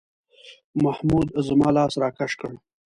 محمود زما لاس راکش کړ.